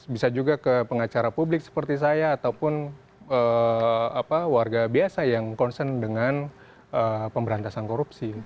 bisa juga ke pengacara publik seperti saya ataupun warga biasa yang concern dengan pemberantasan korupsi